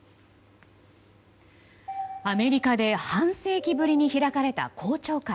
アメリカで半世紀ぶりに開かれた公聴会。